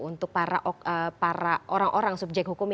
untuk para orang orang subjek hukum